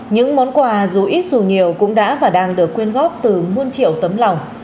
những món quà dù ít dù nhiều cũng đã và đang được quyên góp từ muôn triệu tấm lòng